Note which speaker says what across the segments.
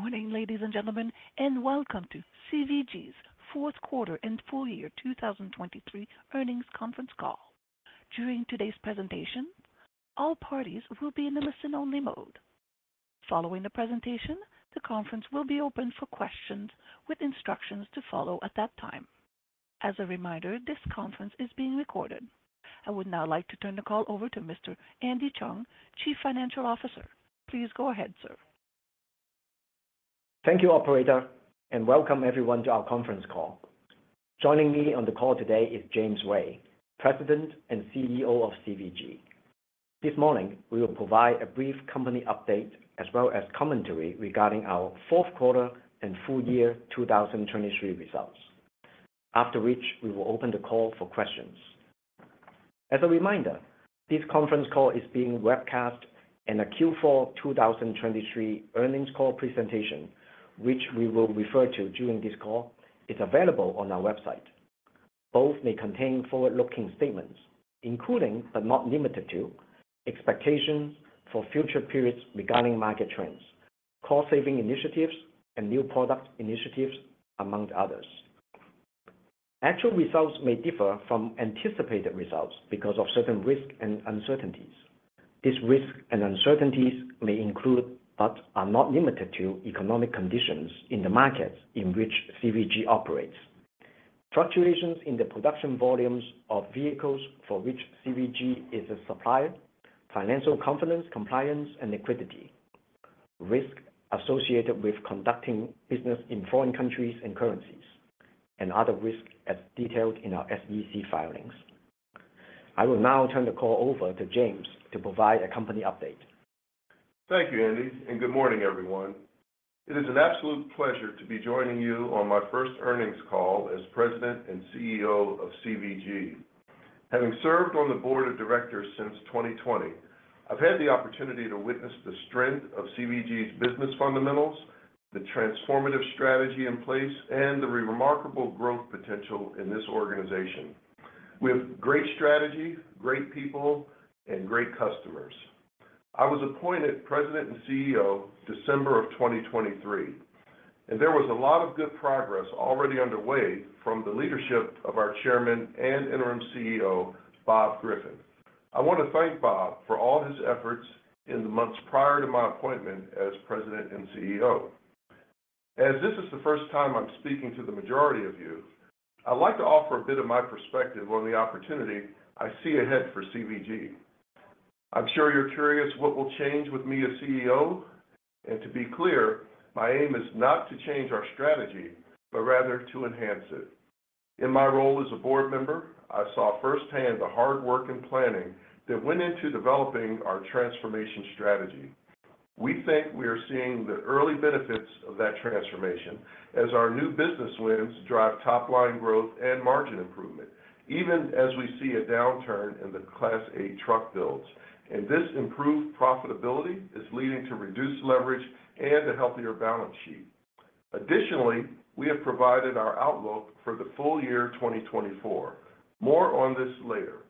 Speaker 1: Good morning, ladies and gentlemen, and welcome to CVG's fourth quarter and full year 2023 earnings conference call. During today's presentation, all parties will be in a listen-only mode. Following the presentation, the conference will be open for questions, with instructions to follow at that time. As a reminder, this conference is being recorded. I would now like to turn the call over to Mr. Andy Cheung, Chief Financial Officer. Please go ahead, sir.
Speaker 2: Thank you, operator, and welcome everyone to our conference call. Joining me on the call today is James Ray, President and CEO of CVG. This morning, we will provide a brief company update as well as commentary regarding our fourth quarter and full year 2023 results. After which, we will open the call for questions. As a reminder, this conference call is being webcast and a Q4 2023 earnings call presentation, which we will refer to during this call, is available on our website. Both may contain forward-looking statements, including, but not limited to, expectations for future periods regarding market trends, cost-saving initiatives, and new product initiatives, among others. Actual results may differ from anticipated results because of certain risks and uncertainties. These risks and uncertainties may include, but are not limited to, economic conditions in the markets in which CVG operates, fluctuations in the production volumes of vehicles for which CVG is a supplier, financial confidence, compliance, and liquidity, risks associated with conducting business in foreign countries and currencies, and other risks as detailed in our SEC filings. I will now turn the call over to James to provide a company update.
Speaker 3: Thank you, Andy, and good morning, everyone. It is an absolute pleasure to be joining you on my first earnings call as President and CEO of CVG. Having served on the board of directors since 2020, I've had the opportunity to witness the strength of CVG's business fundamentals, the transformative strategy in place, and the remarkable growth potential in this organization. We have great strategy, great people, and great customers. I was appointed President and CEO December of 2023, and there was a lot of good progress already underway from the leadership of our chairman and interim CEO, Bob Griffin. I want to thank Bob for all his efforts in the months prior to my appointment as President and CEO. As this is the first time I'm speaking to the majority of you, I'd like to offer a bit of my perspective on the opportunity I see ahead for CVG. I'm sure you're curious what will change with me as CEO, and to be clear, my aim is not to change our strategy, but rather to enhance it. In my role as a board member, I saw firsthand the hard work and planning that went into developing our transformation strategy. We think we are seeing the early benefits of that transformation as our new business wins drive top-line growth and margin improvement, even as we see a downturn in the Class 8 truck builds. And this improved profitability is leading to reduced leverage and a healthier balance sheet. Additionally, we have provided our outlook for the full year 2024. More on this later.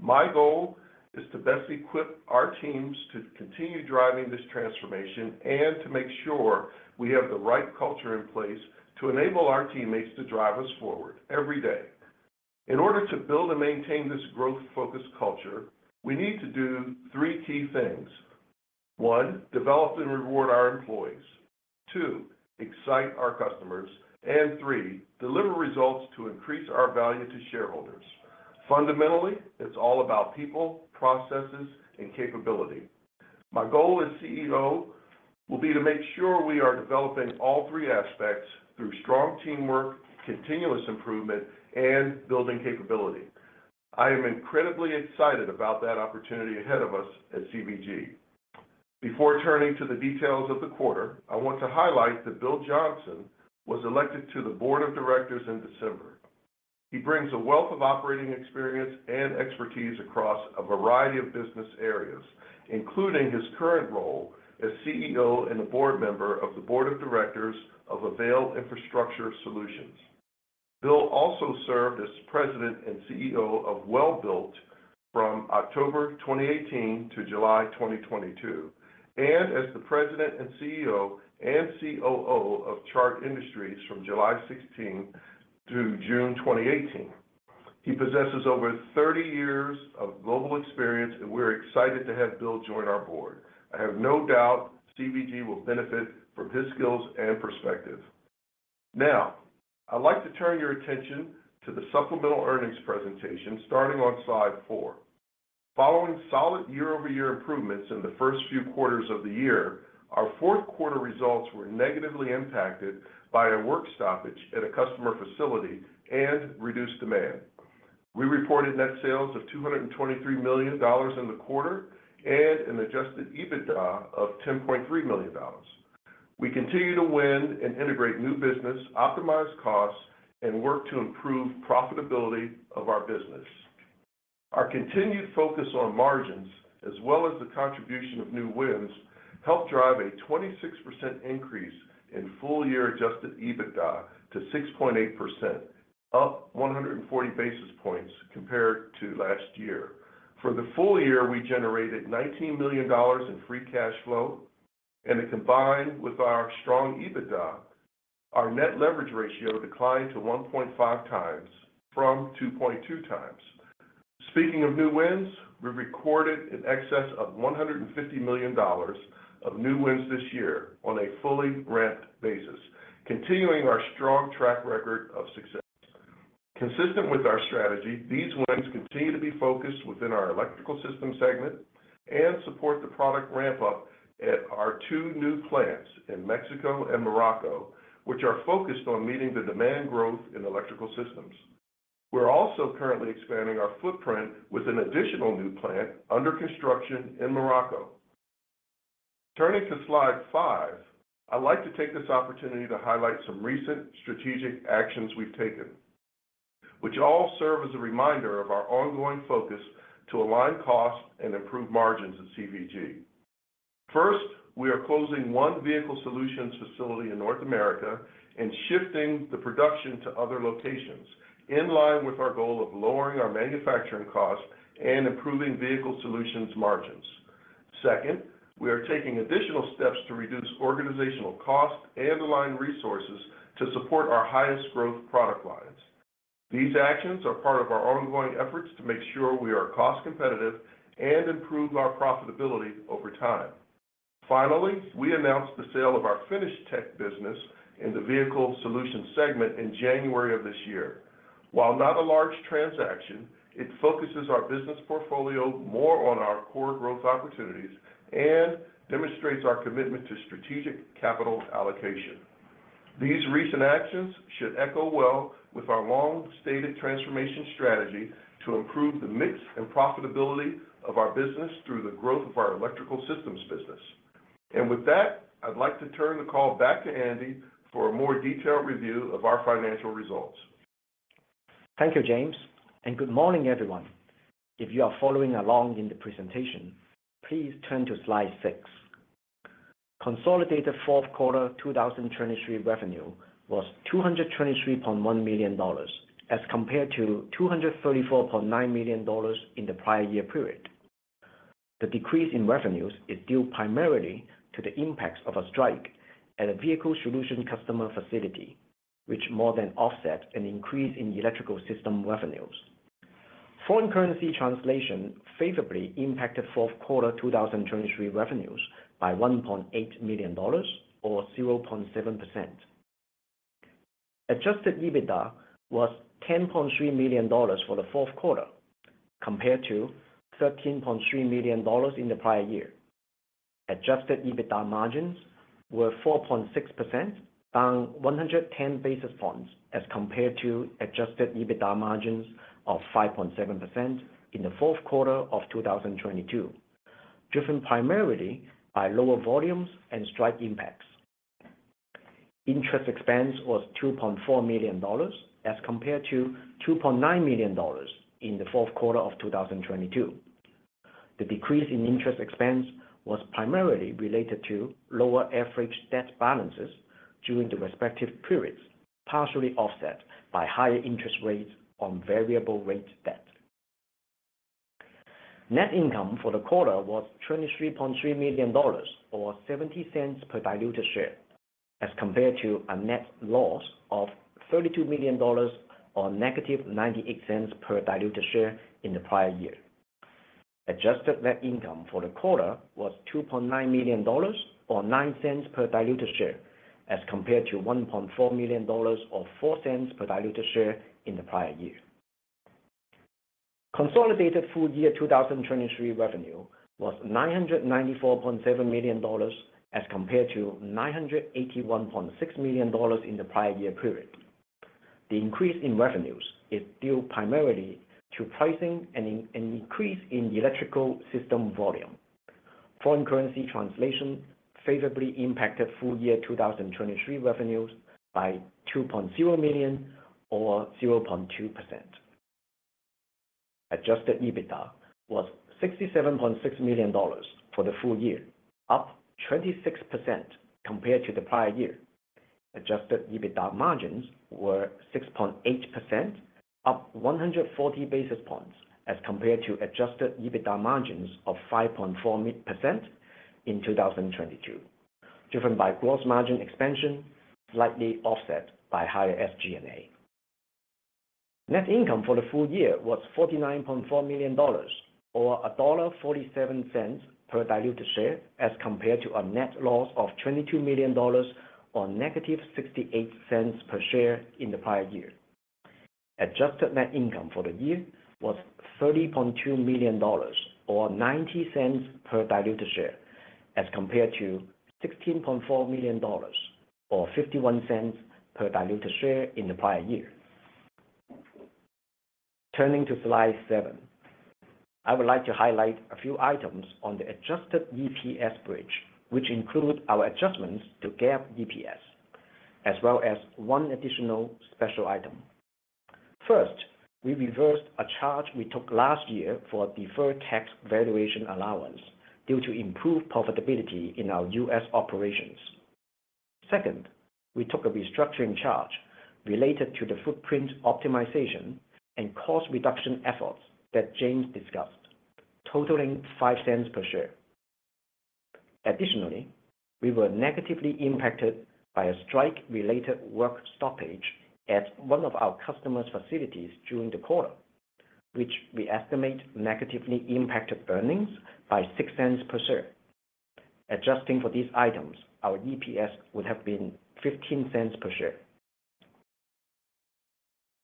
Speaker 3: My goal is to best equip our teams to continue driving this transformation and to make sure we have the right culture in place to enable our teammates to drive us forward every day. In order to build and maintain this growth-focused culture, we need to do three key things: One, develop and reward our employees. Two, excite our customers. And three, deliver results to increase our value to shareholders. Fundamentally, it's all about people, processes, and capability. My goal as CEO will be to make sure we are developing all three aspects through strong teamwork, continuous improvement, and building capability. I am incredibly excited about that opportunity ahead of us at CVG. Before turning to the details of the quarter, I want to highlight that Bill Johnson was elected to the Board of Directors in December. He brings a wealth of operating experience and expertise across a variety of business areas, including his current role as CEO and a board member of the Board of Directors of Avail Infrastructure Solutions. Bill also served as President and CEO of Welbilt from October 2018 to July 2022, and as the President and CEO and COO of Chart Industries from July 16 through June 2018. He possesses over 30 years of global experience, and we're excited to have Bill join our board. I have no doubt CVG will benefit from his skills and perspective. Now, I'd like to turn your attention to the supplemental earnings presentation, starting on slide 4. Following solid year-over-year improvements in the first few quarters of the year, our fourth quarter results were negatively impacted by a work stoppage at a customer facility and reduced demand. We reported net sales of $223 million in the quarter and an adjusted EBITDA of $10.3 million. We continue to win and integrate new business, optimize costs, and work to improve profitability of our business. Our continued focus on margins, as well as the contribution of new wins, helped drive a 26% increase in full-year adjusted EBITDA to 6.8%, up 140 basis points compared to last year. For the full year, we generated $19 million in free cash flow, and it combined with our strong EBITDA. Our net leverage ratio declined to 1.5 times from 2.2 times. Speaking of new wins, we recorded in excess of $150 million of new wins this year on a fully run-rate basis, continuing our strong track record of success. Consistent with our strategy, these wins continue to be focused within our Electrical Systems segment and support the product ramp-up at our two new plants in Mexico and Morocco, which are focused on meeting the demand growth in Electrical Systems. We're also currently expanding our footprint with an additional new plant under construction in Morocco. Turning to Slide 5, I'd like to take this opportunity to highlight some recent strategic actions we've taken, which all serve as a reminder of our ongoing focus to align costs and improve margins at CVG. First, we are closing 1 Vehicle Solutions facility in North America and shifting the production to other locations, in line with our goal of lowering our manufacturing costs and improving Vehicle Solutions margins. Second, we are taking additional steps to reduce organizational costs and align resources to support our highest growth product lines. These actions are part of our ongoing efforts to make sure we are cost-competitive and improve our profitability over time. Finally, we announced the sale of ouri FinishTek business in the Vehicle Solutions segment in January of this year. While not a large transaction, it focuses our business portfolio more on our core growth opportunities and demonstrates our commitment to strategic capital allocation. These recent actions should echo well with our long-stated transformation strategy to improve the mix and profitability of our business through the growth of our Electrical Systems business. And with that, I'd like to turn the call back to Andy for a more detailed review of our financial results.
Speaker 2: Thank you, James, and good morning, everyone. If you are following along in the presentation, please turn to Slide 6. Consolidated fourth quarter 2023 revenue was $223.1 million, as compared to $234.9 million in the prior year period. The decrease in revenues is due primarily to the impacts of a strike at a Vehicle Solutions customer facility, which more than offset an increase in Electrical Systems revenues. Foreign currency translation favorably impacted fourth quarter 2023 revenues by $1.8 million, or 0.7%. Adjusted EBITDA was $10.3 million for the fourth quarter, compared to $13.3 million in the prior year. Adjusted EBITDA margins were 4.6%, down 110 basis points, as compared to adjusted EBITDA margins of 5.7% in the fourth quarter of 2022, driven primarily by lower volumes and strike impacts. Interest expense was $2.4 million, as compared to $2.9 million in the fourth quarter of 2022. The decrease in interest expense was primarily related to lower average debt balances during the respective periods, partially offset by higher interest rates on variable rate debt. Net income for the quarter was $23.3 million, or $0.70 per diluted share, as compared to a net loss of $32 million or -$0.98 per diluted share in the prior year. Adjusted net income for the quarter was $2.9 million or $0.09 per diluted share, as compared to $1.4 million or $0.04 per diluted share in the prior year. Consolidated full year 2023 revenue was $994.7 million, as compared to $981.6 million in the prior year period. The increase in revenues is due primarily to pricing and an increase in the Electrical Systems volume. Foreign currency translation favorably impacted full year 2023 revenues by $2.0 million or 0.2%. Adjusted EBITDA was $67.6 million for the full year, up 26% compared to the prior year. Adjusted EBITDA margins were 6.8%, up 140 basis points as compared to adjusted EBITDA margins of 5.4% in 2022, driven by gross margin expansion, slightly offset by higher SG&A. Net income for the full year was $49.4 million or $1.47 per diluted share, as compared to a net loss of $22 million or negative 68 cents per share in the prior year. Adjusted net income for the year was $30.2 million or 90 cents per diluted share, as compared to $16.4 million or 51 cents per diluted share in the prior year. Turning to Slide 7, I would like to highlight a few items on the adjusted EPS bridge, which include our adjustments to GAAP EPS, as well as one additional special item. First, we reversed a charge we took last year for a deferred tax valuation allowance due to improved profitability in our U.S. operations. Second, we took a restructuring charge related to the footprint optimization and cost reduction efforts that James discussed, totaling $0.05 per share. Additionally, we were negatively impacted by a strike-related work stoppage at one of our customer's facilities during the quarter, which we estimate negatively impacted earnings by $0.06 per share. Adjusting for these items, our EPS would have been $0.15 per share.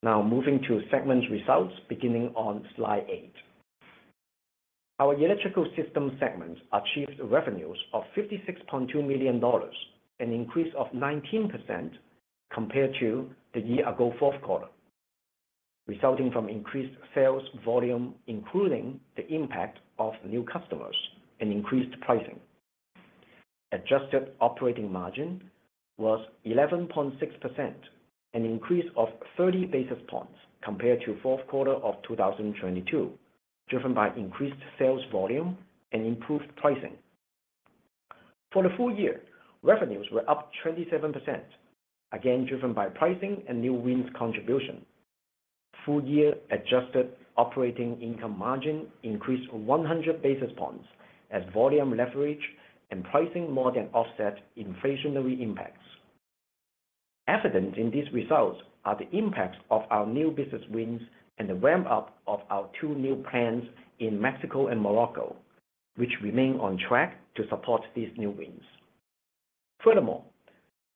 Speaker 2: Now moving to segment results, beginning on slide 8. Our Electrical Systems segment achieved revenues of $56.2 million, an increase of 19% compared to the year-ago fourth quarter, resulting from increased sales volume, including the impact of new customers and increased pricing. Adjusted operating margin was 11.6%, an increase of 30 basis points compared to fourth quarter of 2022, driven by increased sales volume and improved pricing. For the full year, revenues were up 27%, again, driven by pricing and new wins contribution. Full year adjusted operating income margin increased 100 basis points, as volume leverage and pricing more than offset inflationary impacts. Evident in these results are the impacts of our new business wins and the ramp-up of our new plants in Mexico and Morocco, which remain on track to support these new wins. Furthermore,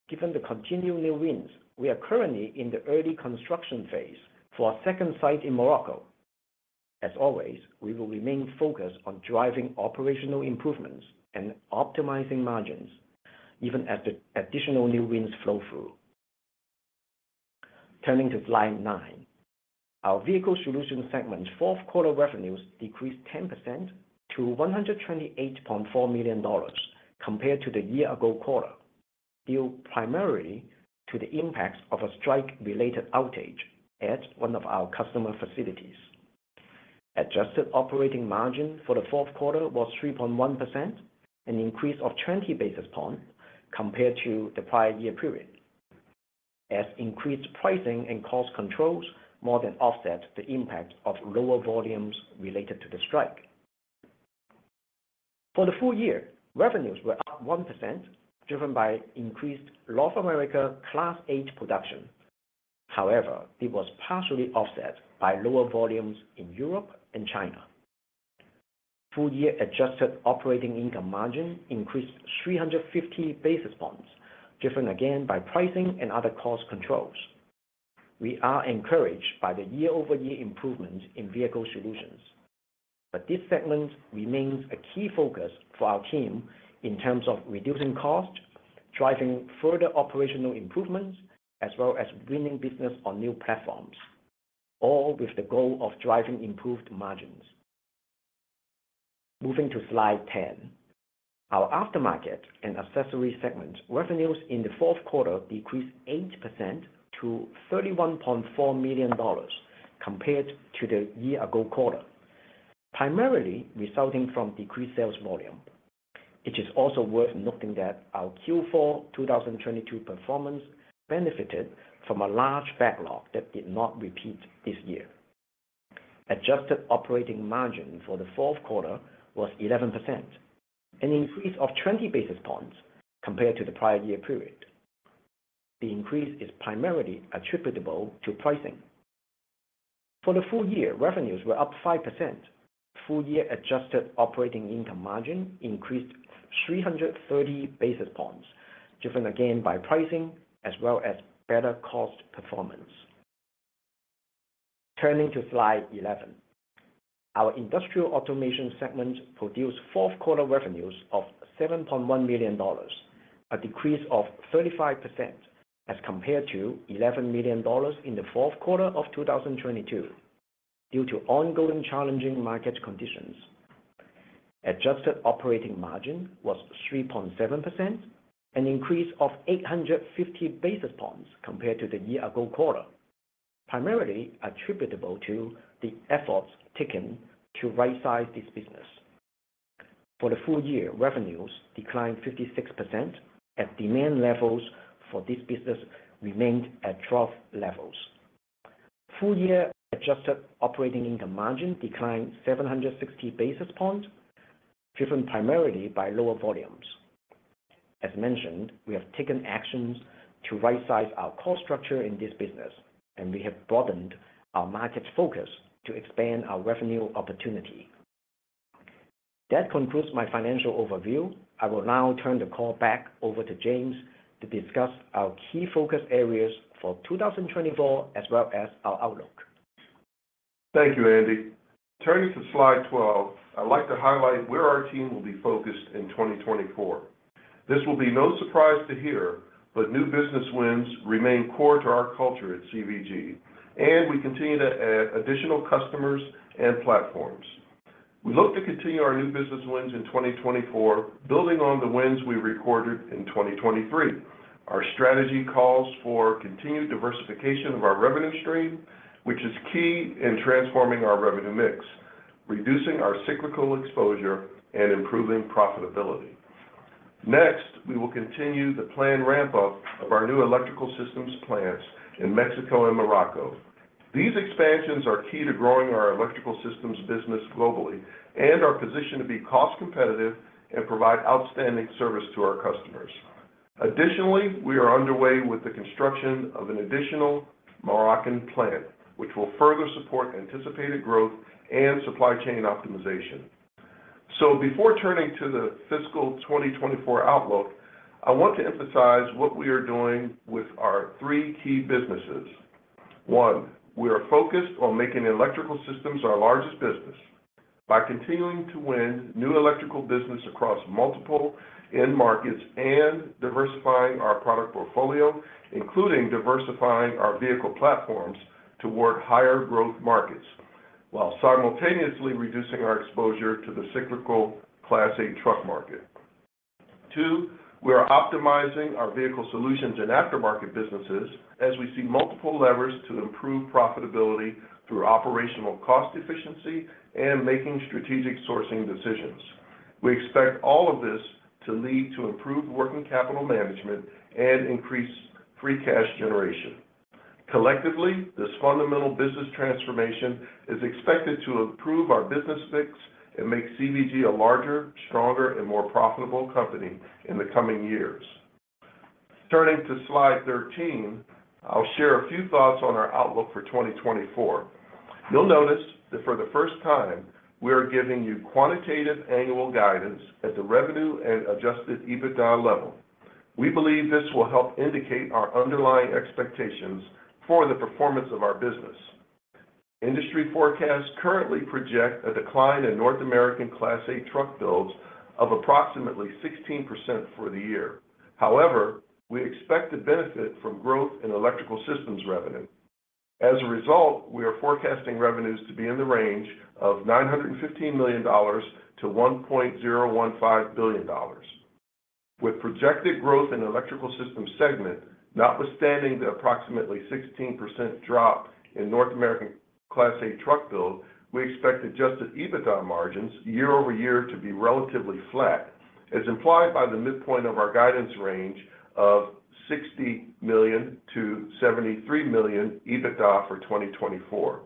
Speaker 2: given the continued new wins, we are currently in the early construction phase for our second site in Morocco. As always, we will remain focused on driving operational improvements and optimizing margins, even as the additional new wins flow through. Turning to slide 9. Our Vehicle Solutions segment fourth quarter revenues decreased 10% to $128.4 million compared to the year-ago quarter, due primarily to the impacts of a strike-related outage at one of our customer facilities. Adjusted operating margin for the fourth quarter was 3.1%, an increase of 20 basis points compared to the prior year period, as increased pricing and cost controls more than offset the impact of lower volumes related to the strike. For the full year, revenues were up 1%, driven by increased North America Class 8 production. However, it was partially offset by lower volumes in Europe and China. Full year adjusted operating income margin increased 350 basis points, driven again by pricing and other cost controls. We are encouraged by the year-over-year improvements in Vehicle Solutions, but this segment remains a key focus for our team in terms of reducing cost, driving further operational improvements, as well as winning business on new platforms, all with the goal of driving improved margins. Moving to slide 10. Our aftermarket and accessory segment revenues in the fourth quarter decreased 8% to $31.4 million compared to the year-ago quarter, primarily resulting from decreased sales volume. It is also worth noting that our Q4 2022 performance benefited from a large backlog that did not repeat this year. Adjusted operating margin for the fourth quarter was 11%, an increase of 20 basis points compared to the prior year period. The increase is primarily attributable to pricing. For the full year, revenues were up 5%. Full year adjusted operating income margin increased 330 basis points, driven again by pricing as well as better cost performance. Turning to slide 11. Our Industrial Automation segment produced fourth quarter revenues of $7.1 million, a decrease of 35% as compared to $11 million in the fourth quarter of 2022, due to ongoing challenging market conditions. Adjusted operating margin was 3.7%, an increase of 850 basis points compared to the year-ago quarter, primarily attributable to the efforts taken to rightsize this business. For the full year, revenues declined 56%, as demand levels for this business remained at trough levels. Full year adjusted operating income margin declined 760 basis points, driven primarily by lower volumes. As mentioned, we have taken actions to rightsize our cost structure in this business, and we have broadened our market focus to expand our revenue opportunity. That concludes my financial overview. I will now turn the call back over to James to discuss our key focus areas for 2024, as well as our outlook.
Speaker 3: Thank you, Andy. Turning to slide 12, I'd like to highlight where our team will be focused in 2024. This will be no surprise to hear, but new business wins remain core to our culture at CVG, and we continue to add additional customers and platforms. We look to continue our new business wins in 2024, building on the wins we recorded in 2023. Our strategy calls for continued diversification of our revenue stream, which is key in transforming our revenue mix, reducing our cyclical exposure and improving profitability. Next, we will continue the planned ramp-up of our new electrical systems plants in Mexico and Morocco. These expansions are key to growing our electrical systems business globally and are positioned to be cost-competitive and provide outstanding service to our customers. Additionally, we are underway with the construction of an additional Moroccan plant, which will further support anticipated growth and supply chain optimization. So before turning to the fiscal 2024 outlook, I want to emphasize what we are doing with our three key businesses. One, we are focused on making electrical systems our largest business by continuing to win new electrical business across multiple end markets and diversifying our product portfolio, including diversifying our vehicle platforms toward higher growth markets, while simultaneously reducing our exposure to the cyclical Class 8 truck market. Two, we are optimizing our vehicle solutions and aftermarket businesses as we see multiple levers to improve profitability through operational cost efficiency and making strategic sourcing decisions. We expect all of this to lead to improved working capital management and increase free cash generation. Collectively, this fundamental business transformation is expected to improve our business mix and make CVG a larger, stronger, and more profitable company in the coming years. Turning to Slide 13, I'll share a few thoughts on our outlook for 2024. You'll notice that for the first time, we are giving you quantitative annual guidance at the revenue and Adjusted EBITDA level. We believe this will help indicate our underlying expectations for the performance of our business. Industry forecasts currently project a decline in North American Class 8 truck builds of approximately 16% for the year. However, we expect to benefit from growth in Electrical Systems revenue. As a result, we are forecasting revenues to be in the range of $915 million-$1.015 billion. With projected growth in Electrical Systems segment, notwithstanding the approximately 16% drop in North American Class 8 truck build, we expect Adjusted EBITDA margins year-over-year to be relatively flat, as implied by the midpoint of our guidance range of $60 million-$73 million EBITDA for 2024.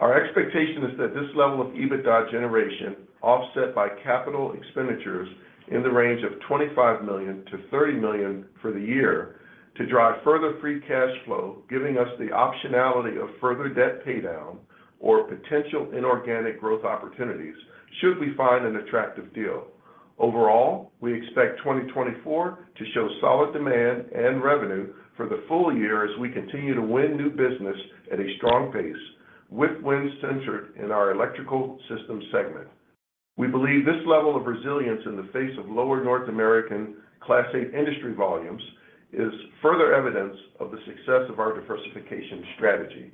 Speaker 3: Our expectation is that this level of EBITDA generation, offset by capital expenditures in the range of $25 million-$30 million for the year to drive further free cash flow, giving us the optionality of further debt paydown or potential inorganic growth opportunities should we find an attractive deal. Overall, we expect 2024 to show solid demand and revenue for the full year as we continue to win new business at a strong pace, with wins centered in our Electrical Systems segment. We believe this level of resilience in the face of lower North American Class 8 industry volumes is further evidence of the success of our diversification strategy.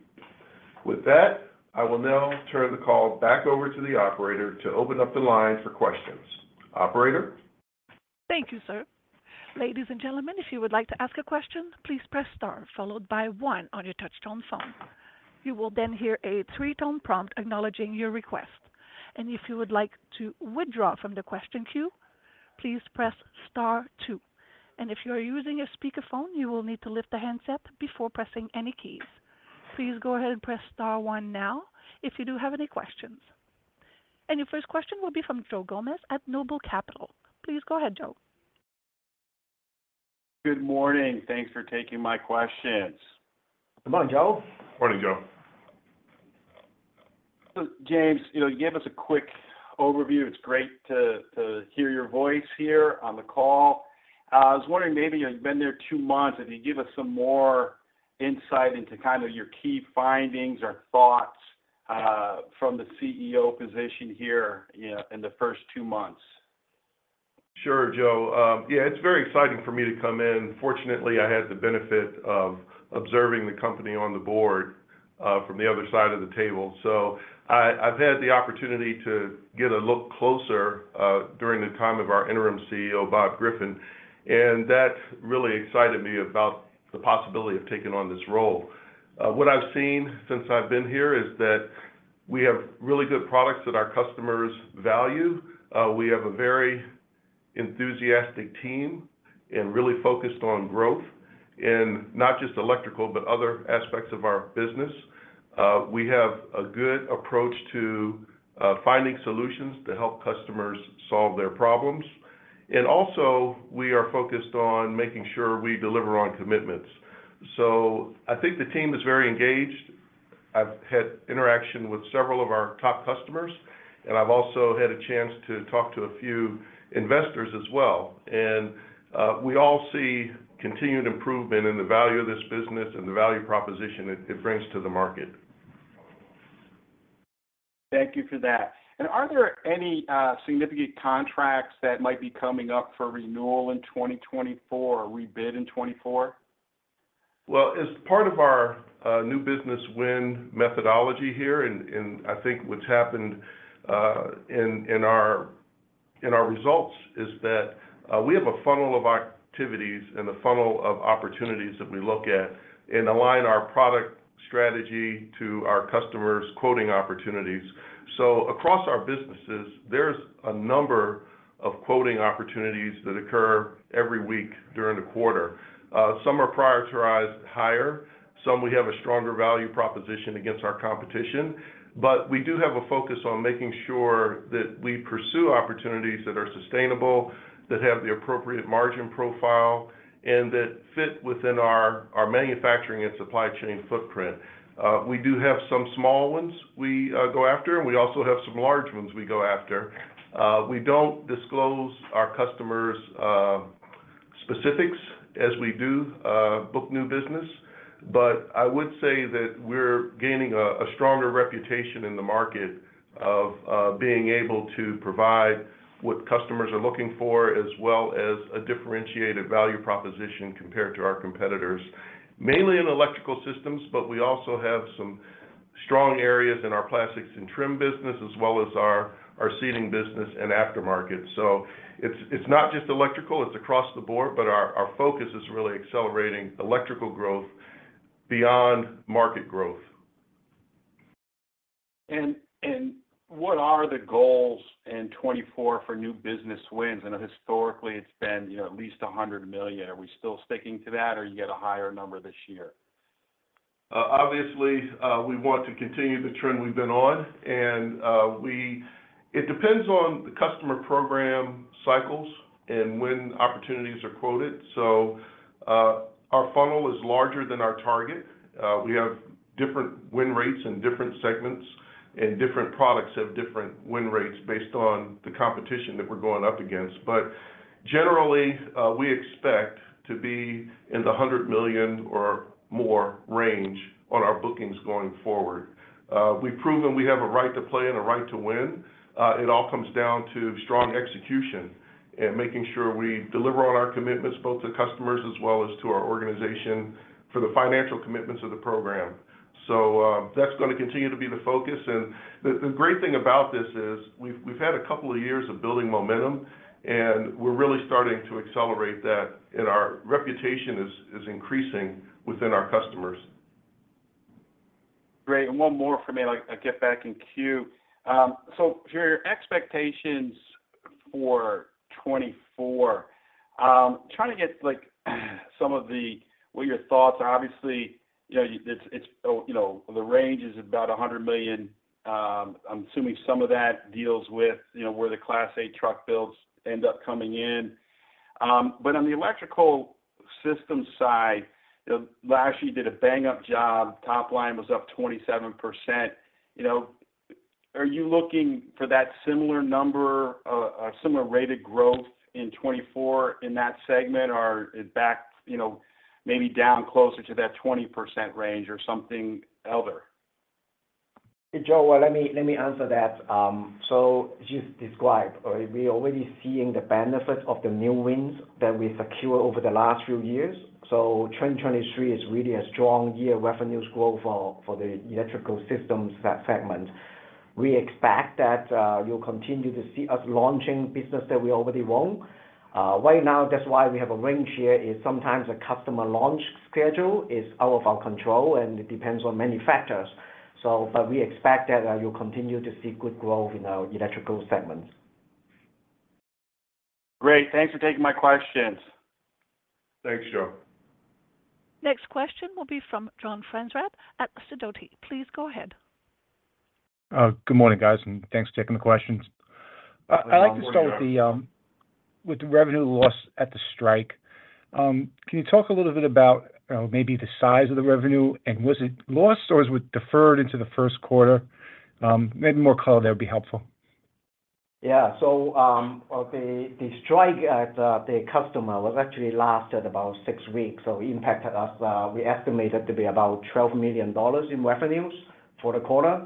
Speaker 3: With that, I will now turn the call back over to the operator to open up the line for questions. Operator?
Speaker 1: Thank you, sir. Ladies and gentlemen, if you would like to ask a question, please press star followed by one on your touch-tone phone. You will then hear a three-tone prompt acknowledging your request. If you would like to withdraw from the question queue, please press star two. If you are using a speakerphone, you will need to lift the handset before pressing any keys. Please go ahead and press star one now if you do have any questions. Your first question will be from Joe Gomes at Noble Capital. Please go ahead, Joe.
Speaker 4: Good morning. Thanks for taking my questions.
Speaker 5: Come on, Joe.
Speaker 3: Morning, Joe.
Speaker 4: James, you know, you gave us a quick overview. It's great to hear your voice here on the call. I was wondering, maybe, you know, you've been there two months, if you'd give us some more insight into kind of your key findings or thoughts from the CEO position here, you know, in the first two months.
Speaker 3: Sure, Joe. Yeah, it's very exciting for me to come in. Fortunately, I had the benefit of observing the company on the board, from the other side of the table. So I, I've had the opportunity to get a look closer, during the time of our Interim CEO, Bob Griffin, and that really excited me about the possibility of taking on this role. What I've seen since I've been here is that we have really good products that our customers value. We have a very enthusiastic team and really focused on growth in not just electrical, but other aspects of our business. We have a good approach to, finding solutions to help customers solve their problems. And also, we are focused on making sure we deliver on commitments. So I think the team is very engaged. I've had interaction with several of our top customers, and I've also had a chance to talk to a few investors as well. We all see continued improvement in the value of this business and the value proposition it, it brings to the market.
Speaker 4: Thank you for that. Are there any significant contracts that might be coming up for renewal in 2024, rebid in 2024?
Speaker 3: Well, as part of our new business win methodology here, and I think what's happened in our results is that we have a funnel of activities and a funnel of opportunities that we look at and align our product strategy to our customers' quoting opportunities. So across our businesses, there's a number of quoting opportunities that occur every week during the quarter. Some are prioritized higher, some we have a stronger value proposition against our competition, but we do have a focus on making sure that we pursue opportunities that are sustainable, that have the appropriate margin profile, and that fit within our manufacturing and supply chain footprint. We do have some small ones we go after, and we also have some large ones we go after. We don't disclose our customers' specifics as we do book new business. But I would say that we're gaining a stronger reputation in the market of being able to provide what customers are looking for, as well as a differentiated value proposition compared to our competitors, mainly in electrical systems, but we also have some strong areas in our plastics and trim business, as well as our seating business and aftermarket. So it's not just electrical, it's across the board, but our focus is really accelerating electrical growth beyond market growth.
Speaker 4: What are the goals in 2024 for new business wins? I know historically it's been, you know, at least $100 million. Are we still sticking to that, or you get a higher number this year?
Speaker 3: Obviously, we want to continue the trend we've been on, and it depends on the customer program cycles and when opportunities are quoted. So, our funnel is larger than our target. We have different win rates in different segments, and different products have different win rates based on the competition that we're going up against. But generally, we expect to be in the $100 million or more range on our bookings going forward. We've proven we have a right to play and a right to win. It all comes down to strong execution and making sure we deliver on our commitments, both to customers as well as to our organization, for the financial commitments of the program. So, that's gonna continue to be the focus. The great thing about this is, we've had a couple of years of building momentum, and we're really starting to accelerate that, and our reputation is increasing within our customers.
Speaker 4: Great. And one more from me, I'll get back in queue. So for your expectations for 2024, trying to get, like, some of the what your thoughts are. Obviously, you know, it's, you know, the range is about $100 million. I'm assuming some of that deals with, you know, where the Class 8 truck builds end up coming in. But on the electrical system side, you know, last year you did a bang-up job, top line was up 27%. You know, are you looking for that similar number, similar rate of growth in 2024 in that segment, or is it back, you know, maybe down closer to that 20% range or something, Andy?
Speaker 2: Joe, well, let me, let me answer that. So just describe, we already seeing the benefits of the new wins that we secure over the last few years, so 2023 is really a strong year revenues growth for, for the Electrical Systems, that segment. We expect that, you'll continue to see us launching business that we already won. Right now, that's why we have a range here, is sometimes a customer launch schedule is out of our control, and it depends on many factors. So but we expect that, you'll continue to see good growth in our electrical segments.
Speaker 4: Great. Thanks for taking my questions.
Speaker 3: Thanks, Joe.
Speaker 1: Next question will be from John Franzreb at Sidoti. Please go ahead.
Speaker 6: Good morning, guys, and thanks for taking the questions.
Speaker 3: Good morning, John.
Speaker 6: I'd like to start with the revenue loss at the strike. Can you talk a little bit about maybe the size of the revenue, and was it lost or was it deferred into the first quarter? Maybe more color there would be helpful.
Speaker 2: Yeah. So, well, the strike at the customer actually lasted about 6 weeks, so it impacted us. We estimate it to be about $12 million in revenues for the quarter.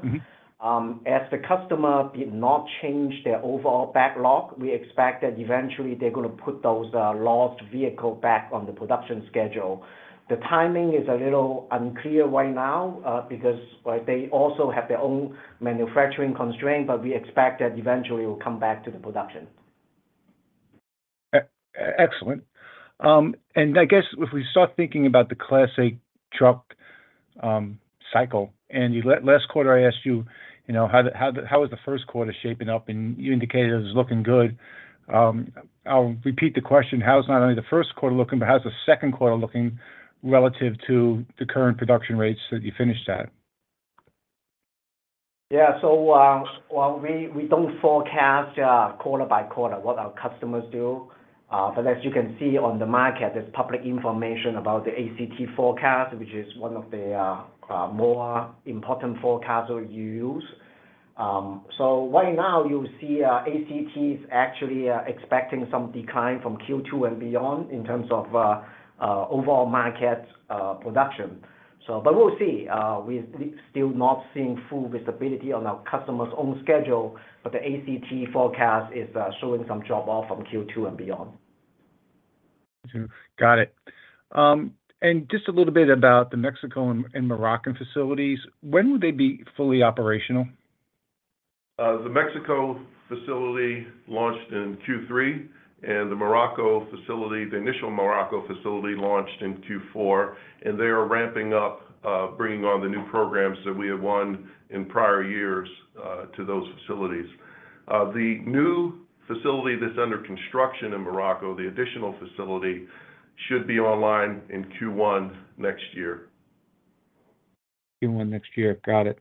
Speaker 6: Mm-hmm.
Speaker 2: As the customer did not change their overall backlog, we expect that eventually they're gonna put those lost vehicle back on the production schedule. The timing is a little unclear right now, because, like, they also have their own manufacturing constraint, but we expect that eventually it will come back to the production.
Speaker 6: Excellent. And I guess if we start thinking about the Class 8 truck cycle, and you last quarter, I asked you, you know, how was the first quarter shaping up, and you indicated it was looking good. I'll repeat the question: How is not only the first quarter looking, but how is the second quarter looking relative to the current production rates that you finished at?
Speaker 2: Yeah. So, well, we don't forecast quarter by quarter what our customers do. But as you can see on the market, there's public information about the ACT forecast, which is one of the more important forecasts that we use. So right now, you'll see, ACT is actually expecting some decline from Q2 and beyond in terms of overall market production. So but we'll see, we still not seeing full visibility on our customer's own schedule, but the ACT forecast is showing some drop-off from Q2 and beyond....
Speaker 6: Got it. And just a little bit about the Mexico and Moroccan facilities, when would they be fully operational?
Speaker 3: The Mexico facility launched in Q3, and the Morocco facility, the initial Morocco facility, launched in Q4, and they are ramping up, bringing on the new programs that we have won in prior years, to those facilities. The new facility that's under construction in Morocco, the additional facility, should be online in Q1 next year.
Speaker 6: Q1 next year, got it.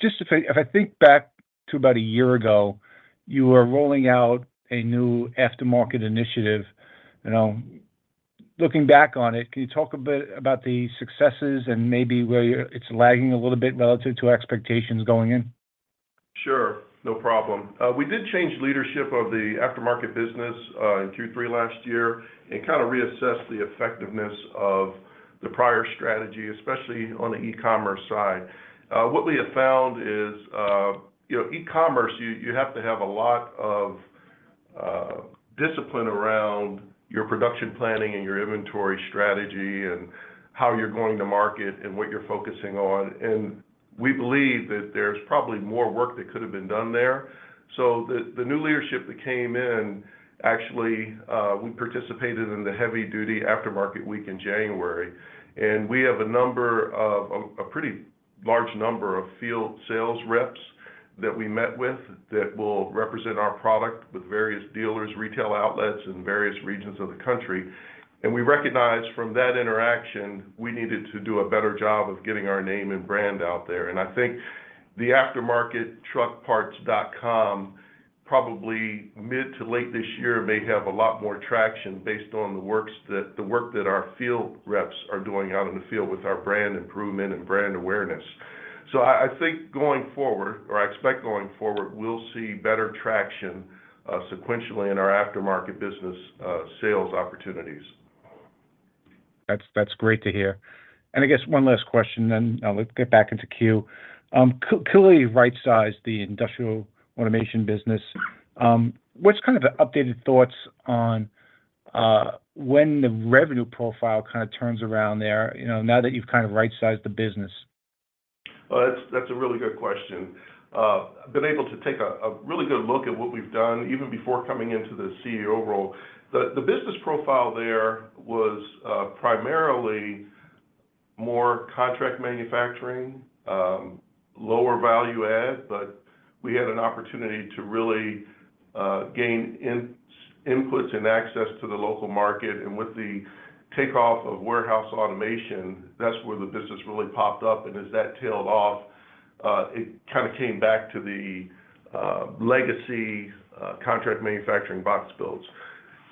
Speaker 6: Just if I think back to about a year ago, you were rolling out a new aftermarket initiative. You know, looking back on it, can you talk a bit about the successes and maybe where you're, it's lagging a little bit relative to expectations going in?
Speaker 3: Sure. No problem. We did change leadership of the aftermarket business in Q3 last year and kind of reassessed the effectiveness of the prior strategy, especially on the e-commerce side. What we have found is, you know, e-commerce, you, you have to have a lot of discipline around your production planning and your inventory strategy and how you're going to market and what you're focusing on, and we believe that there's probably more work that could have been done there. So the new leadership that came in, actually, we participated in the Heavy Duty Aftermarket week in January, and we have a pretty large number of field sales reps that we met with that will represent our product with various dealers, retail outlets in various regions of the country. We recognized from that interaction, we needed to do a better job of getting our name and brand out there. And I think the Aftermarkettruckparts.com, probably mid to late this year, may have a lot more traction based on the work that our field reps are doing out in the field with our brand improvement and brand awareness. So I, I think going forward, or I expect going forward, we'll see better traction sequentially in our aftermarket business sales opportunities.
Speaker 6: That's, that's great to hear. And I guess one last question, then I'll let you get back into queue. Rightsized the Industrial Automation business. What's kind of the updated thoughts on when the revenue profile kind of turns around there, you know, now that you've kind of rightsized the business?
Speaker 3: Well, that's a really good question. I've been able to take a really good look at what we've done, even before coming into the CEO role. The business profile there was primarily more contract manufacturing, lower value add, but we had an opportunity to really gain inputs and access to the local market, and with the takeoff of warehouse automation, that's where the business really popped up. And as that tailed off, it kind of came back to the legacy contract manufacturing box builds.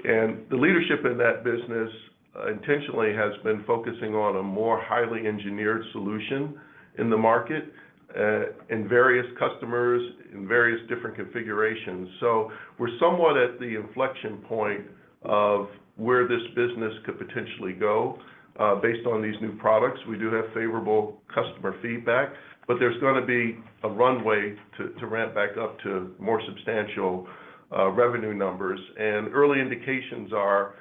Speaker 3: And the leadership in that business, intentionally, has been focusing on a more highly engineered solution in the market, in various customers, in various different configurations. So we're somewhat at the inflection point of where this business could potentially go, based on these new products. We do have favorable customer feedback, but there's gonna be a runway to ramp back up to more substantial revenue numbers. Early indications are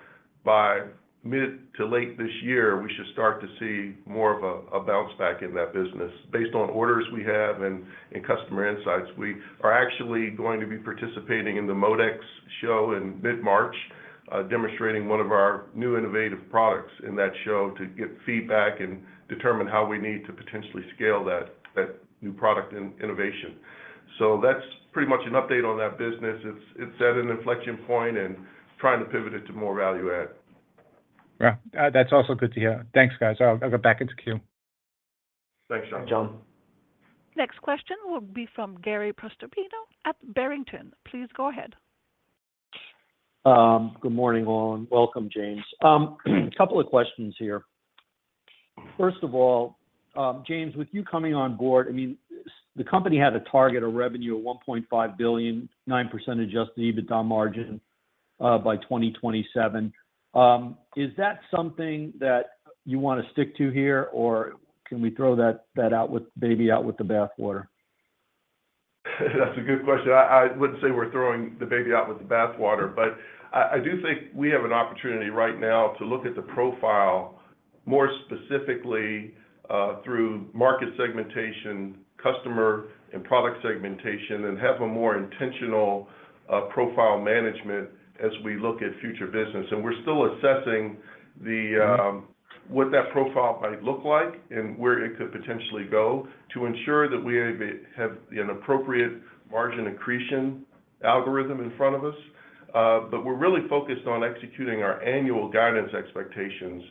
Speaker 3: by mid to late this year, we should start to see more of a bounce back in that business. Based on orders we have and customer insights, we are actually going to be participating in the MODEX show in mid-March, demonstrating one of our new innovative products in that show to get feedback and determine how we need to potentially scale that new product innovation. So that's pretty much an update on that business. It's at an inflection point and trying to pivot it to more value add.
Speaker 6: Yeah. That's also good to hear. Thanks, guys. I'll go back into queue.
Speaker 3: Thanks, John.
Speaker 7: Thanks, John.
Speaker 1: Next question will be from Gary Prestopino at Barrington. Please go ahead.
Speaker 7: Good morning, all, and welcome, James. Couple of questions here. First of all, James, with you coming on board, I mean, the company had a target of revenue of $1.5 billion, 9% adjusted EBITDA margin, by 2027. Is that something that you wanna stick to here, or can we throw that baby out with the bathwater?
Speaker 3: That's a good question. I wouldn't say we're throwing the baby out with the bathwater, but I do think we have an opportunity right now to look at the profile, more specifically, through market segmentation, customer and product segmentation, and have a more intentional, profile management as we look at future business. And we're still assessing what that profile might look like and where it could potentially go, to ensure that we have have, an appropriate margin accretion algorithm in front of us. But we're really focused on executing our annual guidance expectations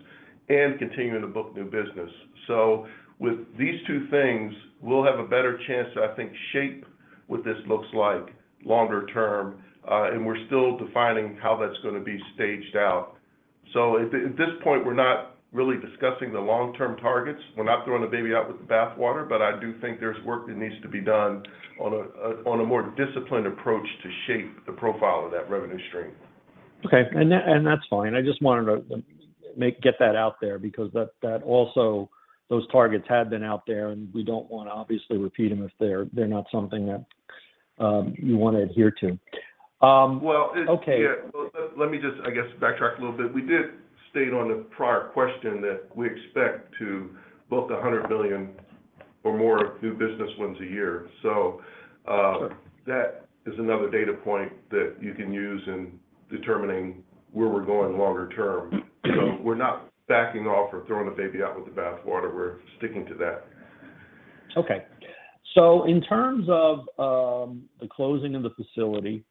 Speaker 3: and continuing to book new business. So with these two things, we'll have a better chance to, I think, shape what this looks like longer term, and we're still defining how that's gonna be staged out. So at this point, we're not really discussing the long-term targets. We're not throwing the baby out with the bathwater, but I do think there's work that needs to be done on a, on a more disciplined approach to shape the profile of that revenue stream.
Speaker 7: Okay. And that, and that's fine. I just wanted to make, get that out there because that, that also, those targets had been out there, and we don't want to obviously repeat them if they're, they're not something that you wanna adhere to.
Speaker 3: Well, it-
Speaker 7: Okay.
Speaker 3: Yeah. Well, let me just, I guess, backtrack a little bit. We did state on the prior question that we expect to book $100 million or more new business wins a year. So.
Speaker 7: Sure...
Speaker 3: that is another data point that you can use in determining where we're going longer term. So we're not backing off or throwing the baby out with the bath water. We're sticking to that.
Speaker 7: Okay. So in terms of the closing of the facility,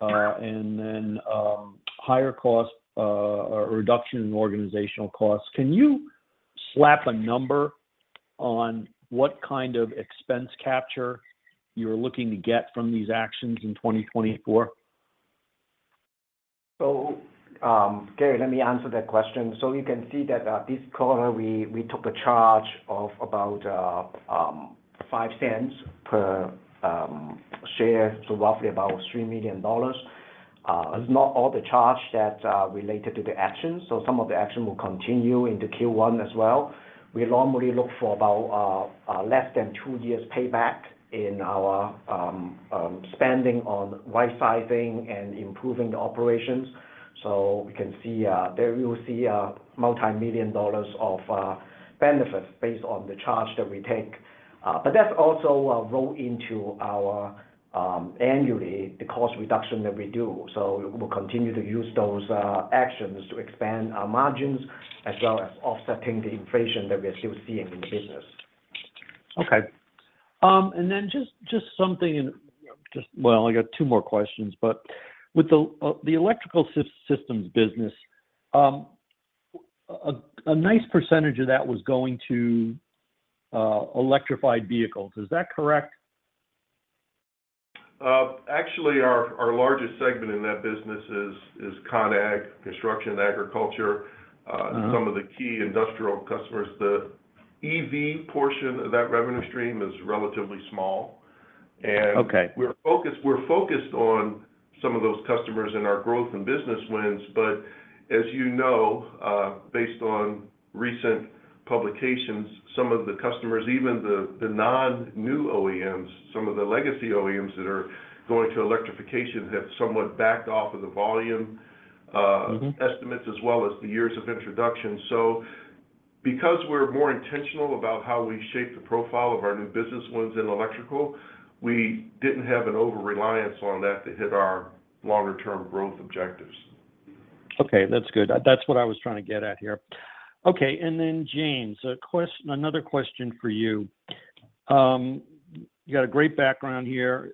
Speaker 7: and then higher cost or reduction in organizational costs, can you slap a number on what kind of expense capture you're looking to get from these actions in 2024?
Speaker 2: So, Gary, let me answer that question. So you can see that, this quarter, we took a charge of about $0.05 per share, so roughly about $3 million. It's not all the charge that related to the actions, so some of the action will continue into Q1 as well. We normally look for about less than two years payback in our spending on rightsizing and improving the operations. So we can see, there you'll see multimillion dollars of benefits based on the charge that we take. But that's also roll into our annually, the cost reduction that we do. So we'll continue to use those actions to expand our margins, as well as offsetting the inflation that we are still seeing in the business.
Speaker 7: Okay. And then just, just something just, well, I got two more questions, but with the electrical systems business, a nice percentage of that was going to electrified vehicles. Is that correct?
Speaker 3: Actually, our largest segment in that business is ConAg, Construction Agriculture.
Speaker 7: Mm-hmm
Speaker 3: Some of the key industrial customers. The EV portion of that revenue stream is relatively small, and-
Speaker 7: Okay...
Speaker 3: we're focused, we're focused on some of those customers and our growth and business wins, but as you know, based on recent publications, some of the customers, even the non-new OEMs, some of the legacy OEMs that are going to electrification, have somewhat backed off of the volume,
Speaker 7: Mm-hmm...
Speaker 3: estimates as well as the years of introduction. So because we're more intentional about how we shape the profile of our new business wins in electrical, we didn't have an overreliance on that to hit our longer-term growth objectives.
Speaker 7: Okay, that's good. That's what I was trying to get at here. Okay, and then, James, a question, another question for you. You got a great background here,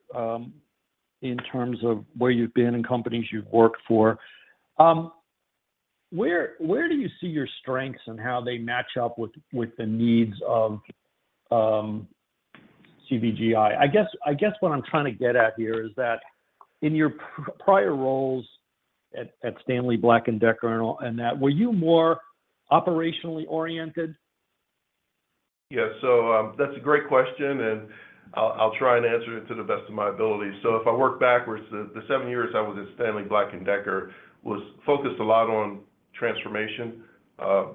Speaker 7: in terms of where you've been and companies you've worked for. Where do you see your strengths and how they match up with the needs of CVGI? I guess what I'm trying to get at here is that in your prior roles at Stanley Black & Decker and all, and that, were you more operationally oriented?
Speaker 3: Yeah. So, that's a great question, and I'll, I'll try and answer it to the best of my ability. So if I work backwards, the seven years I was at Stanley Black & Decker was focused a lot on transformation,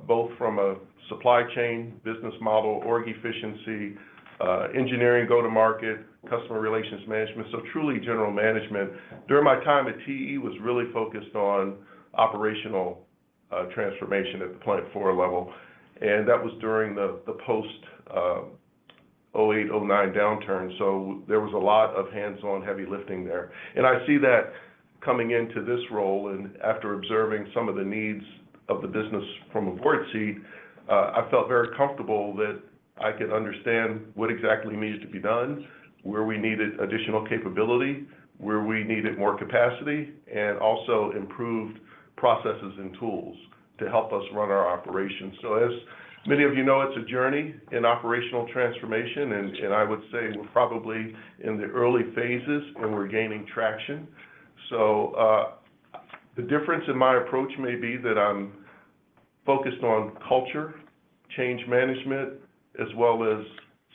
Speaker 3: both from a supply chain, business model, org efficiency, engineering, go-to-market, customer relations management, so truly general management. During my time at TE, was really focused on operational transformation at the plant floor level, and that was during the post 2008, 2009 downturn. So there was a lot of hands-on, heavy lifting there. And I see that coming into this role, and after observing some of the needs of the business from a board seat, I felt very comfortable that I could understand what exactly needs to be done, where we needed additional capability, where we needed more capacity, and also improved processes and tools to help us run our operations. So as many of you know, it's a journey in operational transformation, and, and I would say we're probably in the early phases, and we're gaining traction. So, the difference in my approach may be that I'm focused on culture, change management, as well as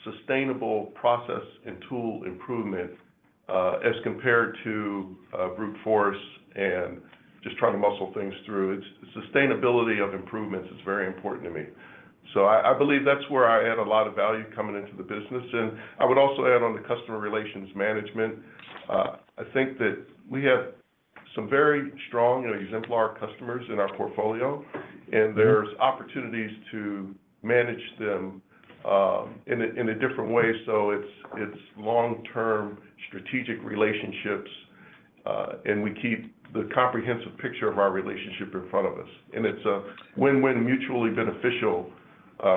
Speaker 3: sustainable process and tool improvement, as compared to, brute force and just trying to muscle things through. It's sustainability of improvements is very important to me. So I, I believe that's where I add a lot of value coming into the business. I would also add on the customer relations management. I think that we have some very strong, you know, exemplar customers in our portfolio, and there's opportunities to manage them in a different way. So it's long-term strategic relationships, and we keep the comprehensive picture of our relationship in front of us. And it's a win-win, mutually beneficial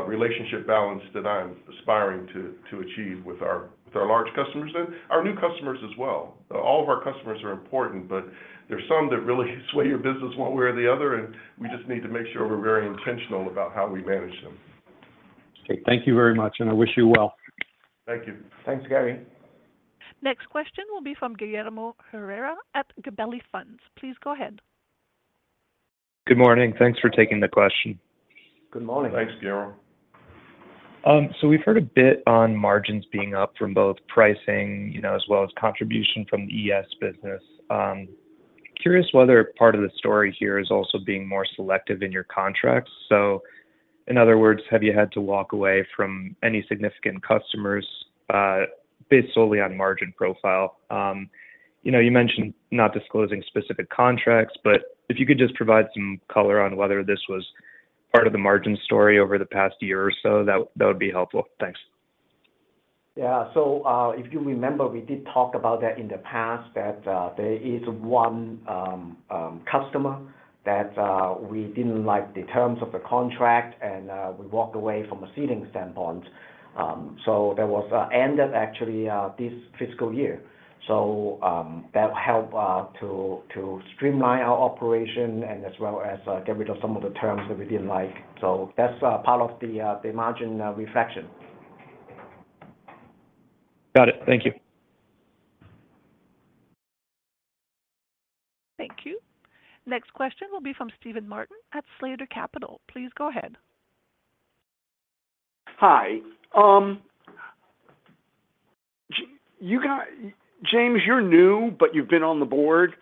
Speaker 3: relationship balance that I'm aspiring to achieve with our large customers and our new customers as well. All of our customers are important, but there are some that really sway your business one way or the other, and we just need to make sure we're very intentional about how we manage them.
Speaker 7: Okay. Thank you very much, and I wish you well.
Speaker 3: Thank you.
Speaker 2: Thanks, Gary.
Speaker 1: Next question will be from Guillermo Rosales at Gabelli Funds. Please go ahead.
Speaker 8: Good morning. Thanks for taking the question.
Speaker 2: Good morning.
Speaker 3: Thanks, Guillermo....
Speaker 8: So we've heard a bit on margins being up from both pricing, you know, as well as contribution from the ES business. Curious whether part of the story here is also being more selective in your contracts. So in other words, have you had to walk away from any significant customers, based solely on margin profile? You know, you mentioned not disclosing specific contracts, but if you could just provide some color on whether this was part of the margin story over the past year or so, that, that would be helpful. Thanks.
Speaker 2: Yeah. So, if you remember, we did talk about that in the past, that there is one customer that we didn't like the terms of the contract and we walked away from a seating standpoint. So there was ended actually this fiscal year. So that helped to streamline our operation and as well as get rid of some of the terms that we didn't like. So that's part of the margin expansion.
Speaker 8: Got it. Thank you.
Speaker 1: Thank you. Next question will be from Steven Martin at Slater Capital. Please go ahead.
Speaker 5: Hi. James, you're new, but you've been on the board.